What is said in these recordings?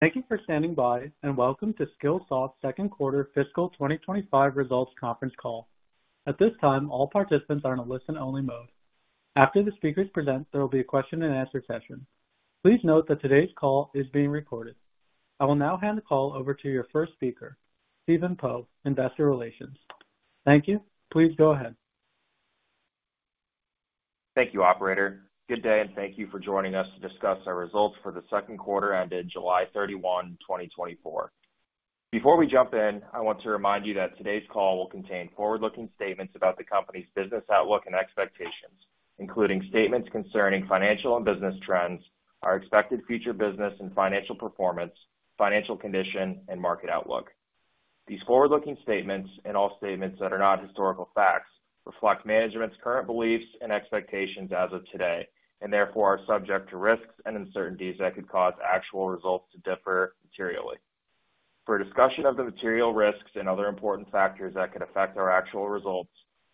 Thank you for standing by, and welcome to Skillsoft's Q2 fiscal 2025 results conference call. At this time, all participants are in a listen-only mode. After the speakers present, there will be a question and answer session. Please note that today's call is being recorded. I will now hand the call over to your first speaker, Stephen Poe, Investor Relations. Thank you. Please go ahead. Thank you, operator. Good day, and thank you for joining us to discuss our results for Q2 ended July 31, 2024. Before we jump in, I want to remind you that today's call will contain forward-looking statements about the company's business outlook and expectations, including statements concerning financial and business trends, our expected future business and financial performance, financial condition, and market outlook. These forward-looking statements, and all statements that are not historical facts, reflect management's current beliefs and expectations as of today, and therefore are subject to risks and uncertainties that could cause actual results to differ materially. For a discussion of the material risks and other important factors that could affect our actual results,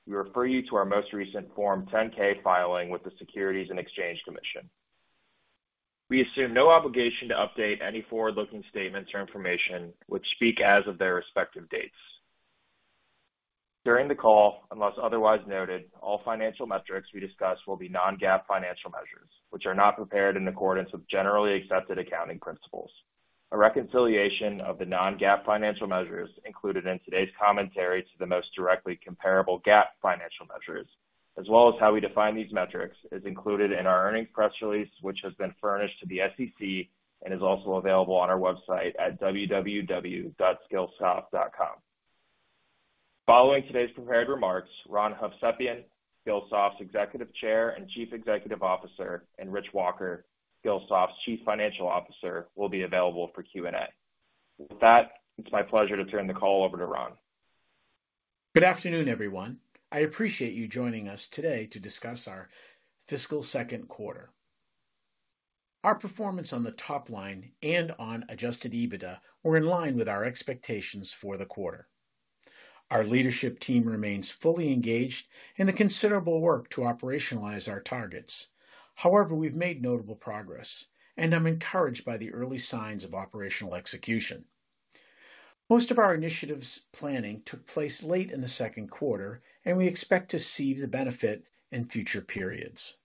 we refer you to our most recent Form 10-K filing with the Securities and Exchange Commission. We assume no obligation to update any forward-looking statements or information which speak as of their respective dates. During the call, unless otherwise noted, all financial metrics we discuss will be non-GAAP financial measures, which are not prepared in accordance with generally accepted accounting principles. A reconciliation of the non-GAAP financial measures included in today's commentary to the most directly comparable GAAP financial measures, as well as how we define these metrics, is included in our earnings press release, which has been furnished to the SEC and is also available on our website at www.skillsoft.com. Following today's prepared remarks, Ron Hovsepian, Skillsoft's Executive Chair and Chief Executive Officer, and Rich Walker, Skillsoft's Chief Financial Officer, will be available for Q&A. With that, it's my pleasure to turn the call over to Ron. Good afternoon, everyone. I appreciate you joining us today to discuss our fiscal second quarter. Our performance on the top line and on Adjusted EBITDA were in line with our expectations for the quarter. Our leadership team remains fully engaged in the considerable work to operationalize our targets. However, we've made notable progress, and I'm encouraged by the early signs of operational execution. Most of our initiatives planning took place late in the second quarter, and we expect to see the benefit in future periods.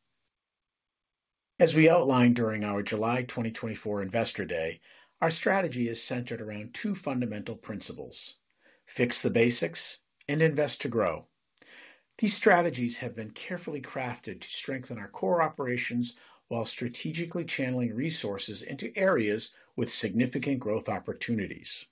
As we outlined during our July 2024 Investor Day, our strategy is centered around two fundamental principles: fix the basics and invest to grow. These strategies have been carefully crafted to strengthen our core operations while strategically channeling resources into areas with significant growth opportunities.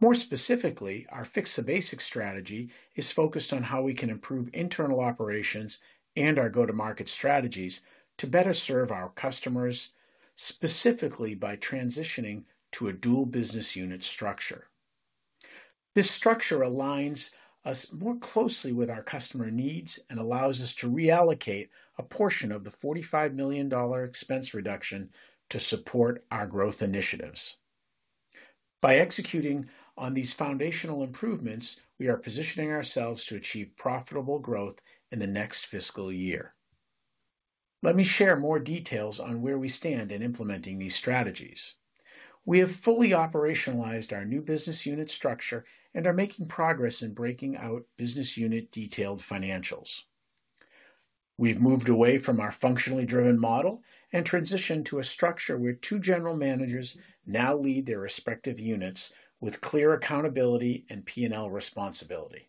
More specifically, our Fix the Basics strategy is focused on how we can improve internal operations and our go-to-market strategies to better serve our customers, specifically by transitioning to a dual business unit structure. This structure aligns us more closely with our customer needs and allows us to reallocate a portion of the $45 million expense reduction to support our growth initiatives. By executing on these foundational improvements, we are positioning ourselves to achieve profitable growth in the next fiscal year. Let me share more details on where we stand in implementing these strategies. We have fully operationalized our new business unit structure and are making progress in breaking out business unit detailed financials. We've moved away from our functionally driven model and transitioned to a structure where two general managers now lead their respective units with clear accountability and PNL responsibility.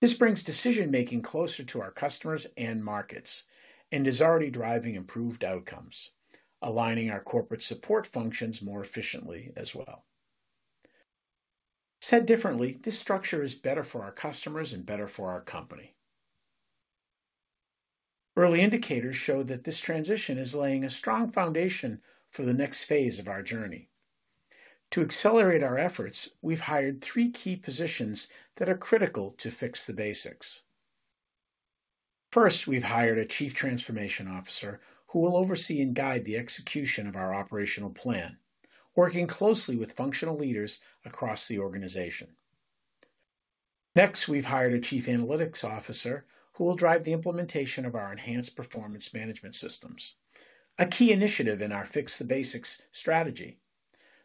This brings decision-making closer to our customers and markets and is already driving improved outcomes, aligning our corporate support functions more efficiently as well. Said differently, this structure is better for our customers and better for our company. Early indicators show that this transition is laying a strong foundation for the next phase of our journey. To accelerate our efforts, we've hired three key positions that are critical to fix the basics. First, we've hired a Chief Transformation Officer, who will oversee and guide the execution of our operational plan, working closely with functional leaders across the organization. Next, we've hired a Chief Analytics Officer, who will drive the implementation of our enhanced performance management systems, a key initiative in our Fix the Basics strategy.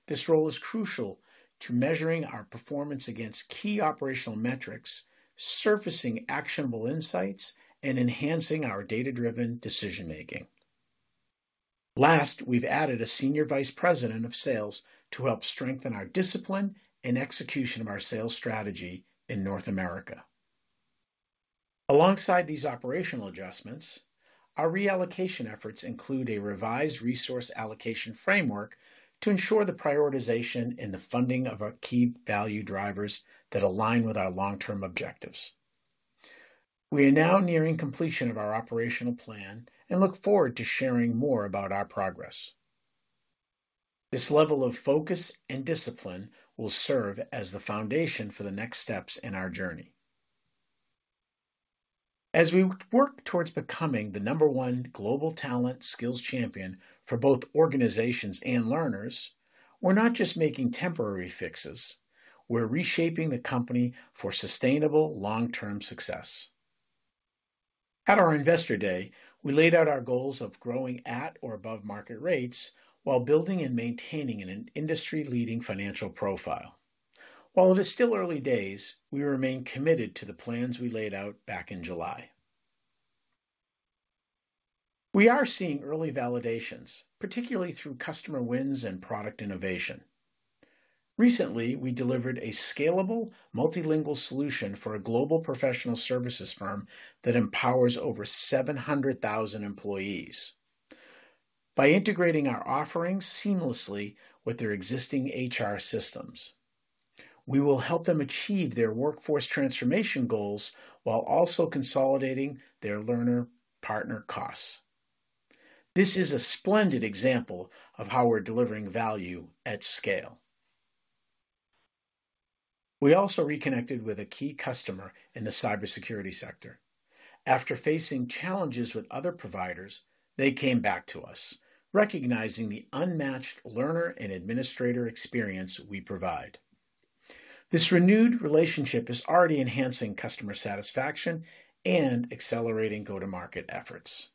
This role is crucial to measuring our performance against key operational metrics, surfacing actionable insights, and enhancing our data-driven decision-making. Last, we've added a Senior Vice President of Sales to help strengthen our discipline and execution of our sales strategy in North America. Alongside these operational adjustments, our reallocation efforts include a revised resource allocation framework to ensure the prioritization and the funding of our key value drivers that align with our long-term objectives. We are now nearing completion of our operational plan and look forward to sharing more about our progress. This level of focus and discipline will serve as the foundation for the next steps in our journey. As we work towards becoming the number one global talent skills champion for both organizations and learners, we're not just making temporary fixes, we're reshaping the company for sustainable long-term success. At our Investor Day, we laid out our goals of growing at or above market rates while building and maintaining an industry-leading financial profile. While it is still early days, we remain committed to the plans we laid out back in July. We are seeing early validations, particularly through customer wins and product innovation. Recently, we delivered a scalable, multilingual solution for a global professional services firm that empowers over 700,000 employees. By integrating our offerings seamlessly with their existing HR systems, we will help them achieve their workforce transformation goals while also consolidating their learning partner costs. This is a splendid example of how we're delivering value at scale. We also reconnected with a key customer in the cybersecurity sector. After facing challenges with other providers, they came back to us, recognizing the unmatched learner and administrator experience we provide. This renewed relationship is already enhancing customer satisfaction and accelerating go-to-market efforts.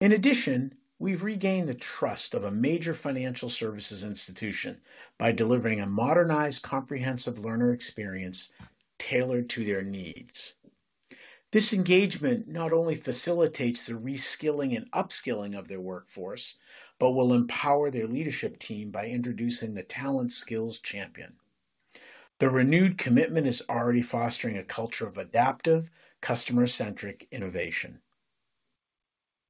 In addition, we've regained the trust of a major financial services institution by delivering a modernized, comprehensive learner experience tailored to their needs. This engagement not only facilitates the reskilling and upskilling of their workforce, but will empower their leadership team by introducing the talent skills champion. The renewed commitment is already fostering a culture of adaptive, customer-centric innovation.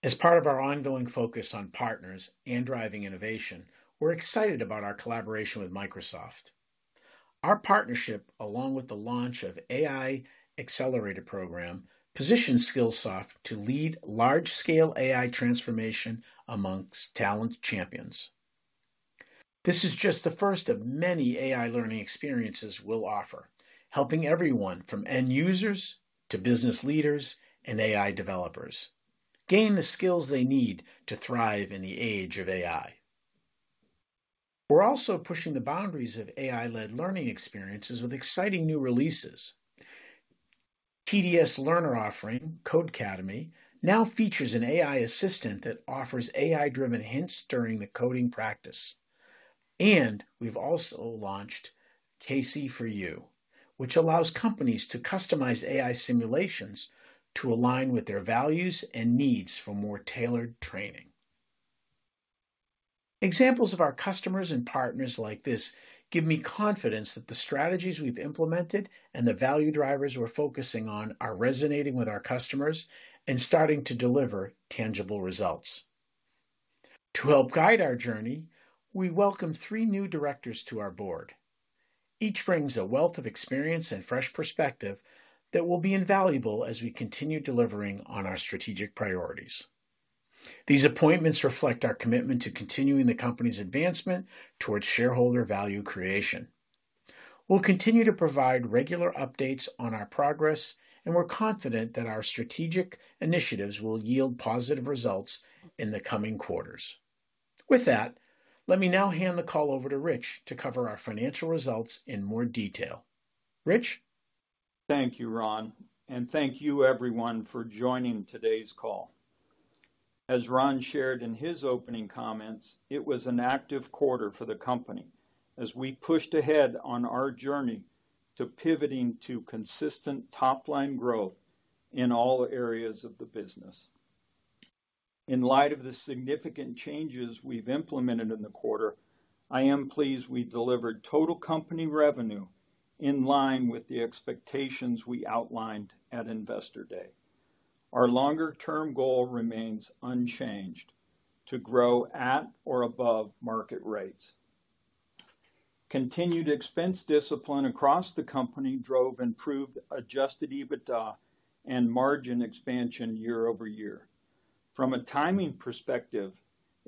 As part of our ongoing focus on partners and driving innovation, we're excited about our collaboration with Microsoft. Our partnership, along with the launch of AI Accelerator Program, positions Skillsoft to lead large-scale AI transformation amongst talent champions. This is just the first of many AI learning experiences we'll offer, helping everyone from end users to business leaders and AI developers gain the skills they need to thrive in the age of AI. We're also pushing the boundaries of AI-led learning experiences with exciting new releases. TDS learner offering, Codecademy, now features an AI assistant that offers AI-driven hints during the coding practice. And we've also launched CAISY For You, which allows companies to customize AI simulations to align with their values and needs for more tailored training. Examples of our customers and partners like this give me confidence that the strategies we've implemented and the value drivers we're focusing on are resonating with our customers and starting to deliver tangible results. To help guide our journey, we welcome three new directors to our board. Each brings a wealth of experience and fresh perspective that will be invaluable as we continue delivering on our strategic priorities. These appointments reflect our commitment to continuing the company's advancement towards shareholder value creation. We'll continue to provide regular updates on our progress, and we're confident that our strategic initiatives will yield positive results in the coming quarters. With that, let me now hand the call over to Rich to cover our financial results in more detail. Rich? Thank you, Ron, and thank you everyone for joining today's call. As Ron shared in his opening comments, it was an active quarter for the company as we pushed ahead on our journey to pivoting to consistent top-line growth in all areas of the business. In light of the significant changes we've implemented in the quarter, I am pleased we delivered total company revenue in line with the expectations we outlined at Investor Day. Our longer-term goal remains unchanged: to grow at or above market rates. Continued expense discipline across the company drove improved Adjusted EBITDA and margin expansion year-over-year. From a timing perspective,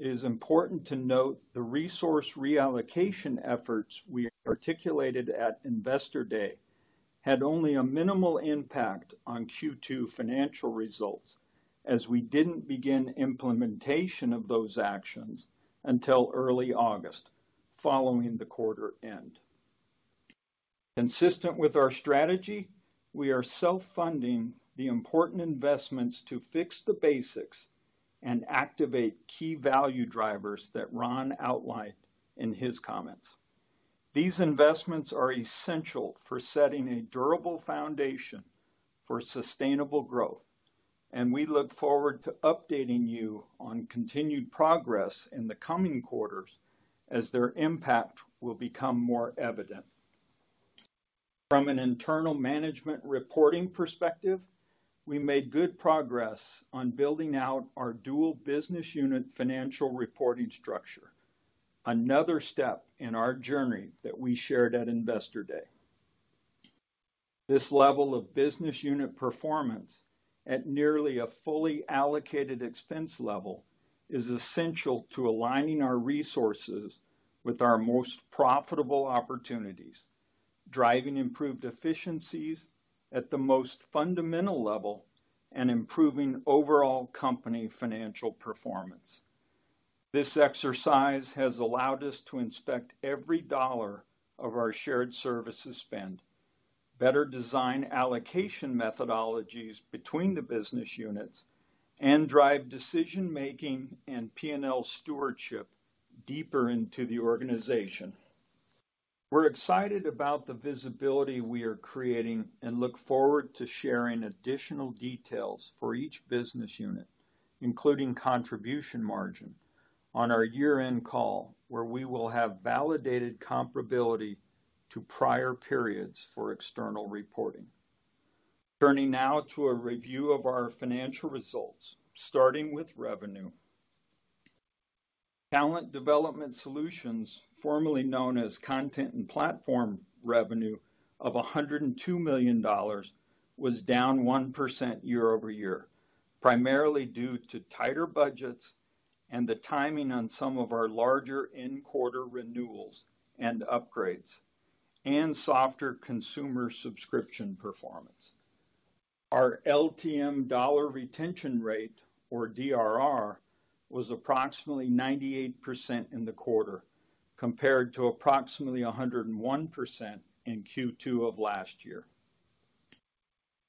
it is important to note the resource reallocation efforts we articulated at Investor Day had only a minimal impact on Q2 financial results, as we didn't begin implementation of those actions until early August, following the quarter end. Consistent with our strategy, we are self-funding the important investments to fix the basics and activate key value drivers that Ron outlined in his comments. These investments are essential for setting a durable foundation for sustainable growth, and we look forward to updating you on continued progress in the coming quarters as their impact will become more evident. From an internal management reporting perspective, we made good progress on building out our dual business unit financial reporting structure, another step in our journey that we shared at Investor Day. This level of business unit performance at nearly a fully allocated expense level is essential to aligning our resources with our most profitable opportunities, driving improved efficiencies at the most fundamental level, and improving overall company financial performance. This exercise has allowed us to inspect every dollar of our shared services spend, better design allocation methodologies between the business units, and drive decision-making and P&L stewardship deeper into the organization. We're excited about the visibility we are creating and look forward to sharing additional details for each business unit, including contribution margin, on our year-end call, where we will have validated comparability to prior periods for external reporting. Turning now to a review of our financial results, starting with revenue. Talent Development Solutions, formerly known as Content and Platform revenue of $102 million, was down 1% year-over-year, primarily due to tighter budgets and the timing on some of our larger end-quarter renewals and upgrades, and softer consumer subscription performance. Our LTM dollar retention rate, or DRR, was approximately 98% in the quarter, compared to approximately 101% in Q2 of last year.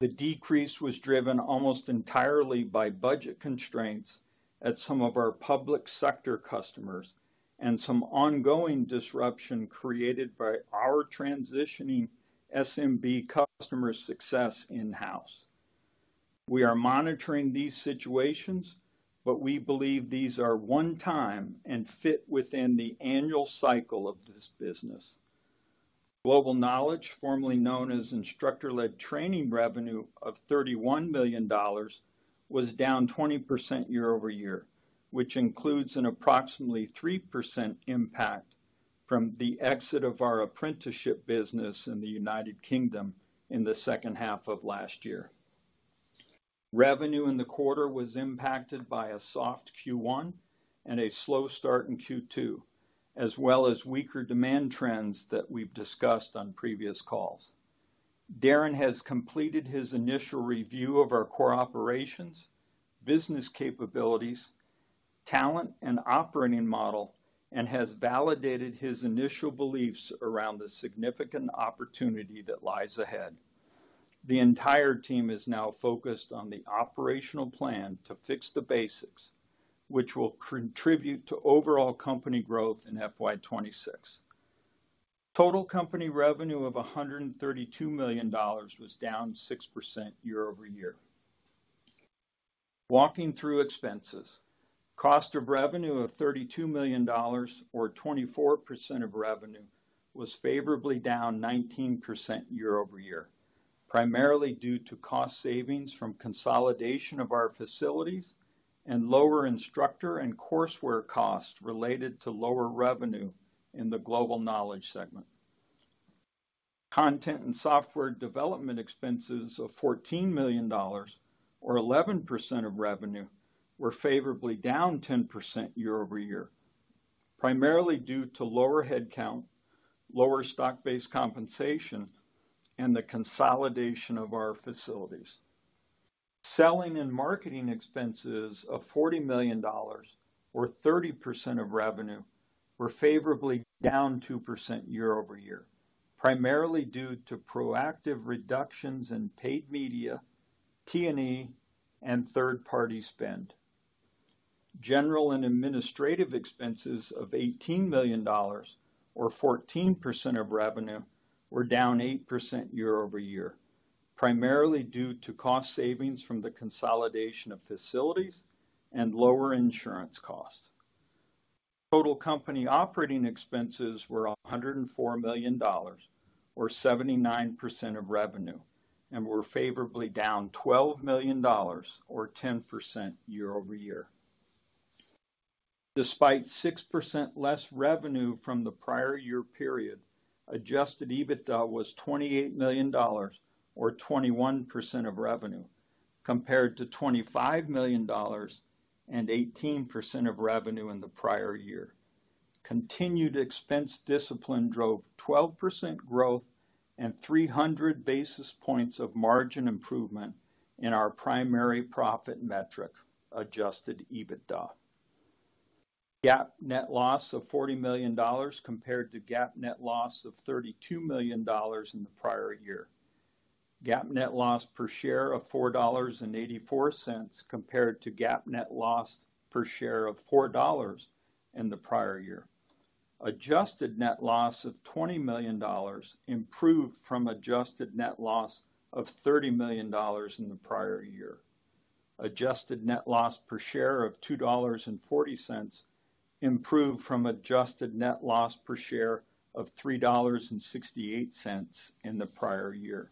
The decrease was driven almost entirely by budget constraints at some of our public sector customers and some ongoing disruption created by our transitioning SMB customer success in-house. We are monitoring these situations, but we believe these are one time and fit within the annual cycle of this business. Global Knowledge, formerly known as Instructor-Led Training revenue of $31 million, was down 20% year-over-year, which includes an approximately 3% impact from the exit of our apprenticeship business in the United Kingdom in the second half of last year. Revenue in the quarter was impacted by a soft Q1 and a slow start in Q2, as well as weaker demand trends that we've discussed on previous calls. Darren has completed his initial review of our core operations, business capabilities, talent, and operating model, and has validated his initial beliefs around the significant opportunity that lies ahead. The entire team is now focused on the operational plan to fix the basics, which will contribute to overall company growth in FY 2026. Total company revenue of $132 million was down 6% year-over-year. Walking through expenses, cost of revenue of $32 million or 24% of revenue, was favorably down 19% year-over-year, primarily due to cost savings from consolidation of our facilities and lower instructor and courseware costs related to lower revenue in the Global Knowledge segment. Content and software development expenses of $14 million or 11% of revenue were favorably down 10% year-over-year, primarily due to lower headcount, lower stock-based compensation, and the consolidation of our facilities. Selling and marketing expenses of $40 million or 30% of revenue were favorably down 2% year-over-year, primarily due to proactive reductions in paid media, T&E, and third-party spend. General and administrative expenses of $18 million or 14% of revenue were down 8% year-over-year, primarily due to cost savings from the consolidation of facilities and lower insurance costs. Total company operating expenses were $104 million or 79% of revenue, and were favorably down $12 million or 10% year-over-year. Despite 6% less revenue from the prior year period, Adjusted EBITDA was $28 million or 21% of revenue, compared to $25 million and 18% of revenue in the prior year. Continued expense discipline drove 12% growth and three hundred basis points of margin improvement in our primary profit metric, Adjusted EBITDA. GAAP net loss of $40 million compared to GAAP net loss of $32 million in the prior year. GAAP net loss per share of $4.84, compared to GAAP net loss per share of $4 in the prior year. Adjusted net loss of $20 million improved from adjusted net loss of $30 million in the prior year. Adjusted net loss per share of $2.40, improved from adjusted net loss per share of $3.68 in the prior year.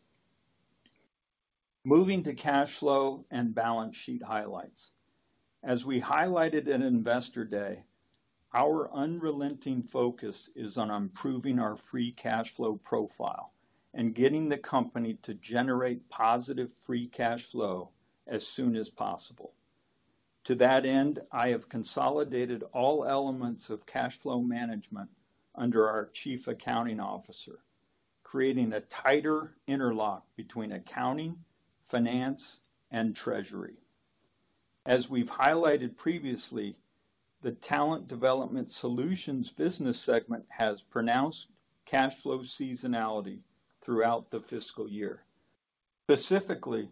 Moving to cash flow and balance sheet highlights. As we highlighted at Investor Day, our unrelenting focus is on improving our free cash flow profile and getting the company to generate positive free cash flow as soon as possible. To that end, I have consolidated all elements of cash flow management under our Chief Accounting Officer, creating a tighter interlock between accounting, finance, and treasury. As we've highlighted previously, the Talent Development Solutions business segment has pronounced cash flow seasonality throughout the fiscal year. Specifically,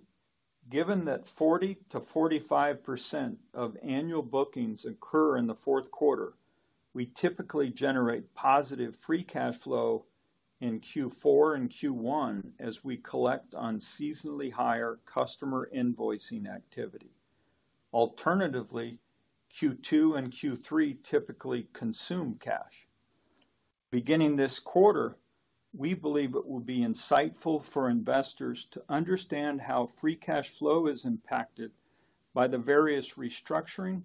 given that 40%-45% of annual bookings occur in the fourth quarter, we typically generate positive free cash flow in Q4 and Q1 as we collect on seasonally higher customer invoicing activity. Alternatively, Q2 and Q3 typically consume cash. Beginning this quarter, we believe it will be insightful for investors to understand how free cash flow is impacted by the various restructuring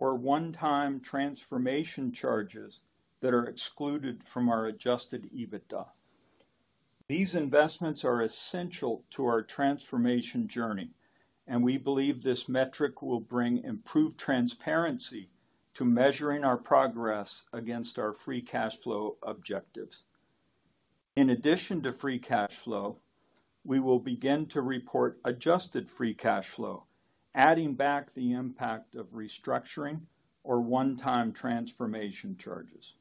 or one-time transformation charges that are excluded from our Adjusted EBITDA. These investments are essential to our transformation journey, and we believe this metric will bring improved transparency to measuring our progress against our free cash flow objectives. In addition to free cash flow, we will begin to report adjusted free cash flow, adding back the impact of restructuring or one-time transformation charges.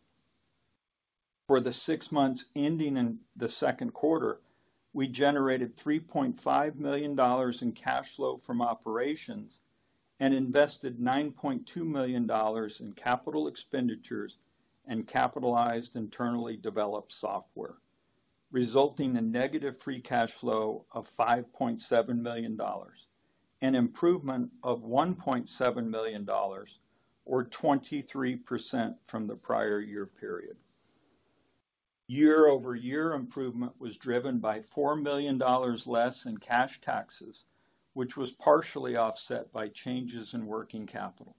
For the six months ending in the second quarter, we generated $3.5 million in cash flow from operations and invested $9.2 million in capital expenditures and capitalized internally developed software, resulting in negative free cash flow of $5.7 million, an improvement of $1.7 million, or 23% from the prior year period. Year-over-year improvement was driven by $4 million less in cash taxes, which was partially offset by changes in working capital.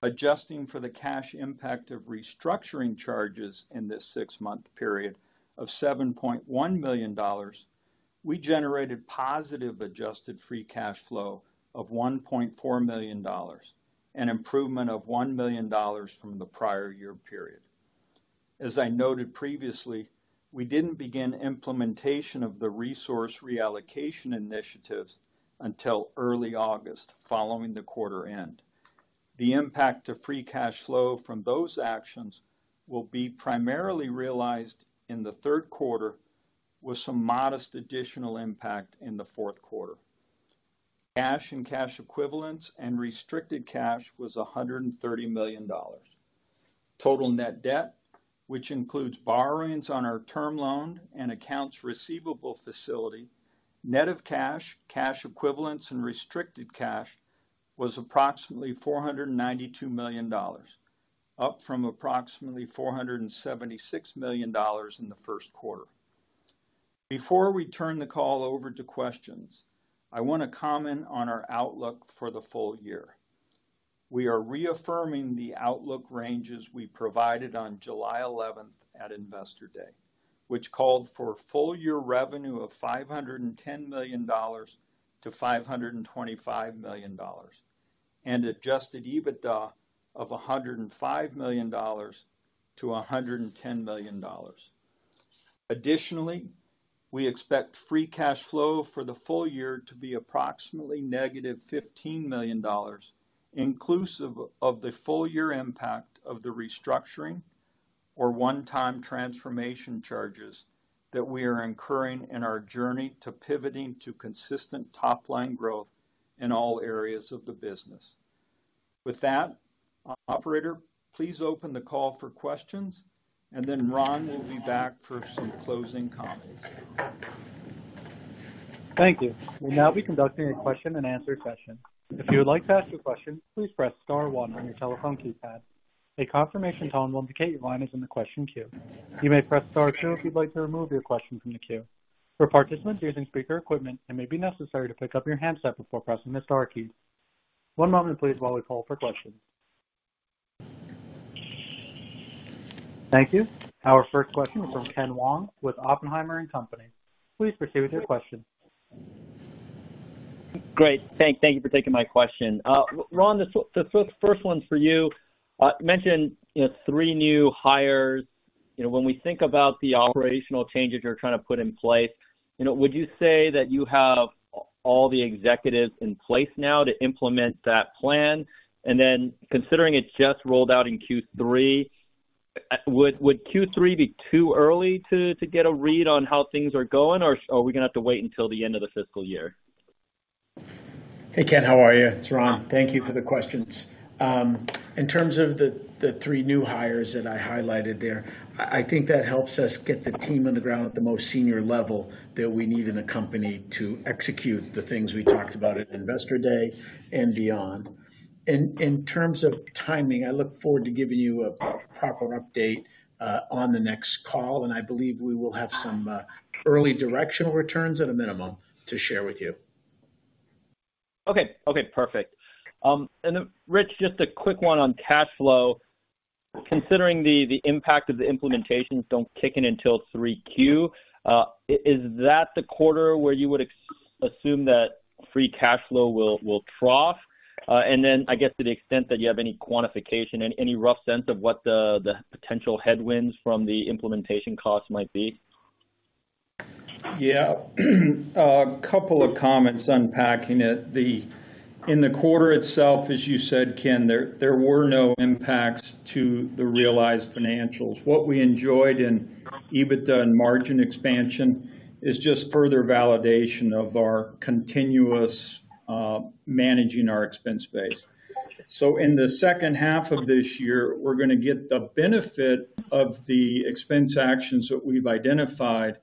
Adjusting for the cash impact of restructuring charges in this six-month period of $7.1 million, we generated positive adjusted free cash flow of $1.4 million, an improvement of $1 million from the prior year period. As I noted previously, we didn't begin implementation of the resource reallocation initiatives until early August, following the quarter end. The impact to free cash flow from those actions will be primarily realized in the third quarter, with some modest additional impact in the fourth quarter. Cash and cash equivalents and restricted cash was $130 million. Total net debt, which includes borrowings on our term loan and accounts receivable facility, net of cash, cash equivalents, and restricted cash, was approximately $492 million, up from approximately $476 million in the first quarter. Before we turn the call over to questions, I want to comment on our outlook for the full year. We are reaffirming the outlook ranges we provided on July eleventh at Investor Day, which called for full-year revenue of $510 million-$525 million, and Adjusted EBITDA of $105 million-$110 million. Additionally, we expect free cash flow for the full year to be approximately negative $15 million, inclusive of the full year impact of the restructuring or one-time transformation charges that we are incurring in our journey to pivoting to consistent top-line growth in all areas of the business. With that, operator, please open the call for questions, and then Ron will be back for some closing comments. Thank you. We'll now be conducting a question-and-answer session. If you would like to ask a question, please press star one on your telephone keypad. A confirmation tone will indicate your line is in the question queue. You may press star two if you'd like to remove your question from the queue. For participants using speaker equipment, it may be necessary to pick up your handset before pressing the star key. One moment, please, while we call for questions. Thank you. Our first question is from Kenneth Wong with Oppenheimer & Co. Please proceed with your question. Great. Thank you for taking my question. Ron, the first one's for you. You mentioned, you know, three new hires. You know, when we think about the operational changes you're trying to put in place, you know, would you say that you have all the executives in place now to implement that plan? And then, considering it just rolled out in Q3, would Q3 be too early to get a read on how things are going, or are we gonna have to wait until the end of the fiscal year? Hey, Ken. How are you? It's Ron. Thank you for the questions. In terms of the three new hires that I highlighted there, I think that helps us get the team on the ground at the most senior level that we need in a company to execute the things we talked about at Investor Day and beyond, and in terms of timing, I look forward to giving you a proper update on the next call, and I believe we will have some early directional returns at a minimum to share with you. Okay. Okay, perfect, and then Rich, just a quick one on cash flow. Considering the impact of the implementations don't kick in until 3Q, is that the quarter where you would assume that free cash flow will trough? And then I guess to the extent that you have any quantification and any rough sense of what the potential headwinds from the implementation costs might be? Yeah. A couple of comments unpacking it. In the quarter itself, as you said, Ken, there were no impacts to the realized financials. What we enjoyed in EBITDA and margin expansion is just further validation of our continuous managing our expense base. So in the second half of this year, we're gonna get the benefit of the expense actions that we've identified.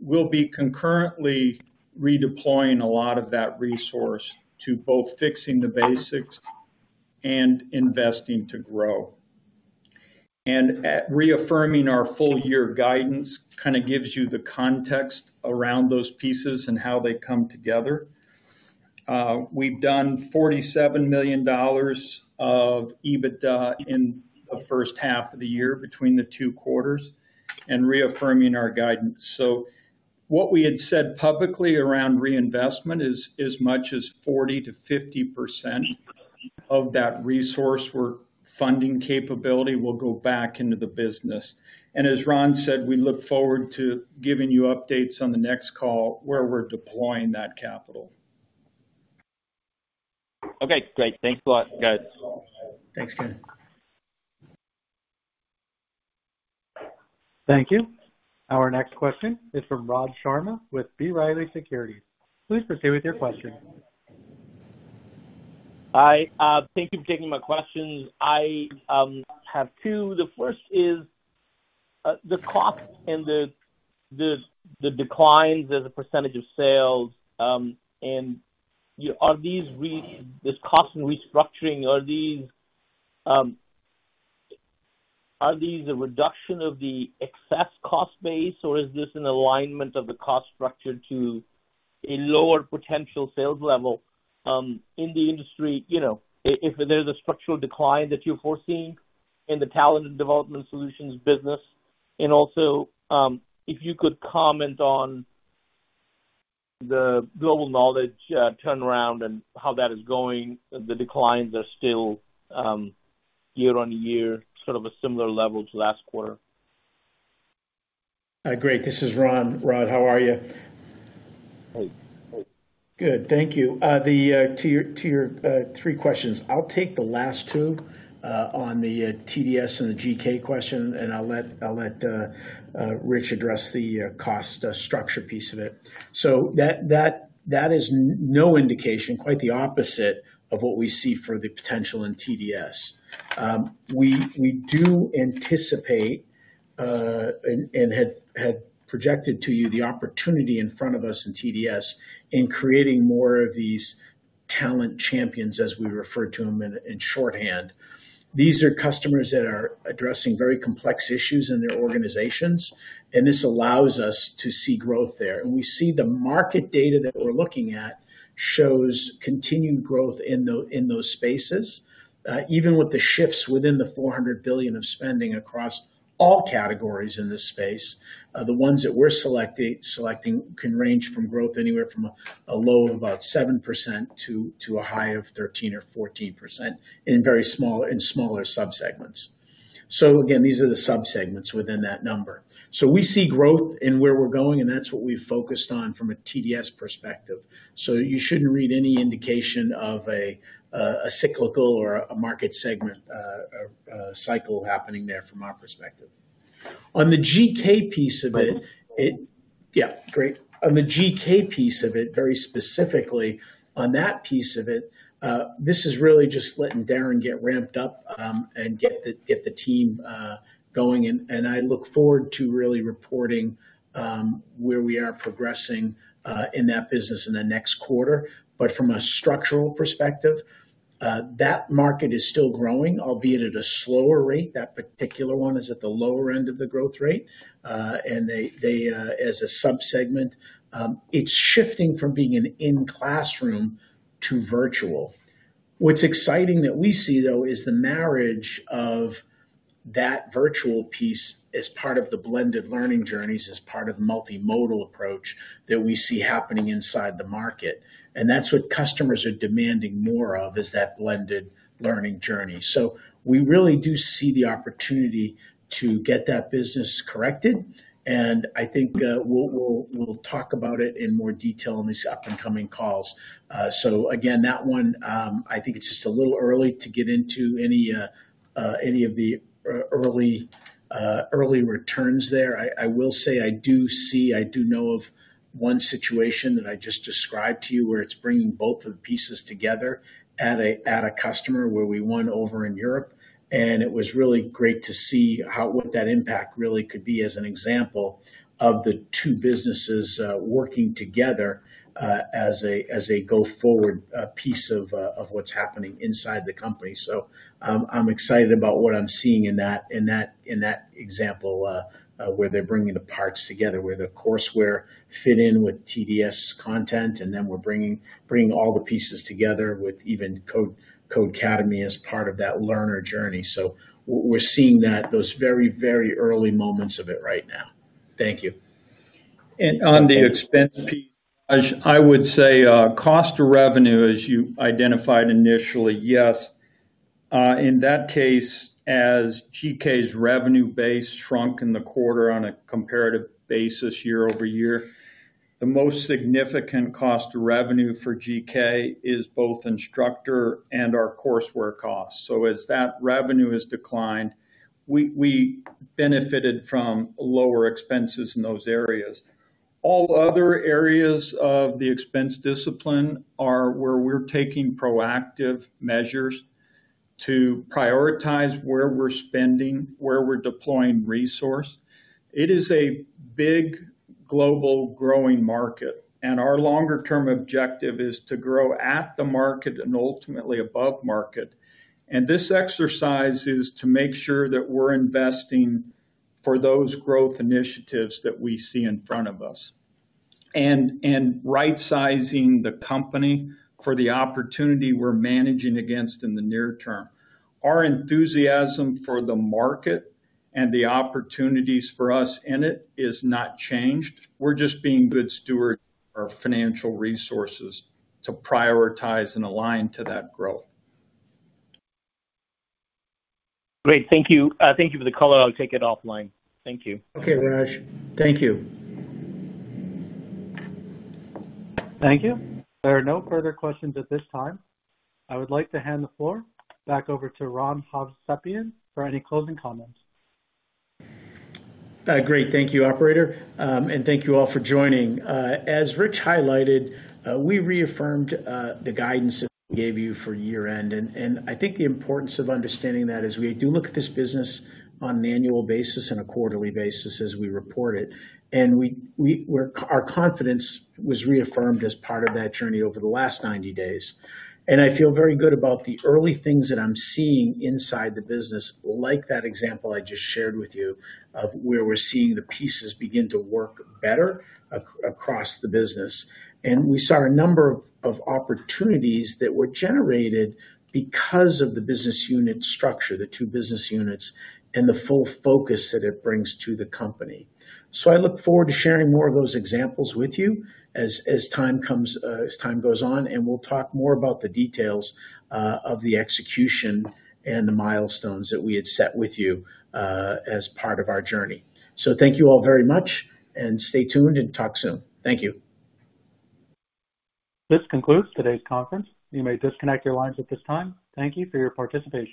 We'll be concurrently redeploying a lot of that resource to both fixing the basics and investing to grow. And at reaffirming our full year guidance, kinda gives you the context around those pieces and how they come together. We've done $47 million of EBITDA in the first half of the year between the two quarters and reaffirming our guidance. So what we had said publicly around reinvestment is as much as 40%-50% of that resource we're funding capability will go back into the business. And as Ron said, we look forward to giving you updates on the next call, where we're deploying that capital. Okay, great. Thanks a lot, guys. Thanks, Ken. Thank you. Our next question is from Raj Sharma with B. Riley Securities. Please proceed with your question. Hi, thank you for taking my questions. I have two. The first is, the cost and the declines as a percentage of sales, and, you know, are these this cost and restructuring, are these a reduction of the excess cost base, or is this an alignment of the cost structure to a lower potential sales level, in the industry? You know, if there's a structural decline that you're foreseeing in the Talent Development Solutions business, and also, if you could comment on the Global Knowledge turnaround and how that is going, the declines are still year on year, sort of a similar level to last quarter. Great. This is Ron. Raj, how are you? Great. Good. Thank you. To your three questions. I'll take the last two on the TDS and the GK question, and I'll let Rich address the cost structure piece of it. So that is no indication, quite the opposite of what we see for the potential in TDS. We do anticipate and had projected to you the opportunity in front of us in TDS in creating more of these talent champions, as we refer to them in shorthand. These are customers that are addressing very complex issues in their organizations, and this allows us to see growth there. We see the market data that we're looking at shows continued growth in those spaces, even with the shifts within the $400 billion of spending across all categories in this space. The ones that we're selecting can range from growth anywhere from a low of about 7% to a high of 13% or 14% in smaller subsegments. These are the subsegments within that number. We see growth in where we're going, and that's what we've focused on from a TDS perspective. You shouldn't read any indication of a cyclical or a market segment cycle happening there from our perspective. On the GK piece of it. Yeah, great. On the GK piece of it, very specifically on that piece of it, this is really just letting Darren get ramped up and get the team going. I look forward to really reporting where we are progressing in that business in the next quarter. But from a structural perspective, that market is still growing, albeit at a slower rate. That particular one is at the lower end of the growth rate. And as a subsegment, it's shifting from being in-classroom to virtual. What's exciting that we see, though, is the marriage of that virtual piece as part of the blended learning journeys, as part of the multimodal approach that we see happening inside the market. And that's what customers are demanding more of, is that blended learning journey. So we really do see the opportunity to get that business corrected, and I think we'll talk about it in more detail in these up-and-coming calls. So again, that one, I think it's just a little early to get into any of the early returns there. I will say I do see, I do know of one situation that I just described to you, where it's bringing both of the pieces together at a customer where we won over in Europe, and it was really great to see how what that impact really could be as an example of the two businesses working together, as a go-forward piece of what's happening inside the company. I'm excited about what I'm seeing in that example, where they're bringing the parts together, where the courseware fit in with TDS content, and then we're bringing all the pieces together with even Codecademy as part of that learner journey. We're seeing those very early moments of it right now. Thank you.... And on the expense piece, I would say, cost to revenue, as you identified initially, yes. In that case, as GK's revenue base shrunk in the quarter on a comparative basis year-over-year, the most significant cost to revenue for GK is both instructor and our coursework costs. So as that revenue has declined, we benefited from lower expenses in those areas. All other areas of the expense discipline are where we're taking proactive measures to prioritize where we're spending, where we're deploying resource. It is a big global growing market, and our longer-term objective is to grow at the market and ultimately above market. And this exercise is to make sure that we're investing for those growth initiatives that we see in front of us, and right-sizing the company for the opportunity we're managing against in the near term. Our enthusiasm for the market and the opportunities for us in it is not changed. We're just being good stewards of our financial resources to prioritize and align to that growth. Great, thank you. Thank you for the color. I'll take it offline. Thank you. Okay, Raj. Thank you. Thank you. There are no further questions at this time. I would like to hand the floor back over to Ron Hovsepian for any closing comments. Great. Thank you, operator, and thank you all for joining. As Rich highlighted, we reaffirmed the guidance that we gave you for year-end, and I think the importance of understanding that is we do look at this business on an annual basis and a quarterly basis as we report it, and our confidence was reaffirmed as part of that journey over the last ninety days, and I feel very good about the early things that I'm seeing inside the business, like that example I just shared with you, of where we're seeing the pieces begin to work better across the business, and we saw a number of opportunities that were generated because of the business unit structure, the two business units, and the full focus that it brings to the company. So I look forward to sharing more of those examples with you as time comes, as time goes on, and we'll talk more about the details of the execution and the milestones that we had set with you, as part of our journey. So thank you all very much, and stay tuned, and talk soon. Thank you. This concludes today's conference. You may disconnect your lines at this time. Thank you for your participation.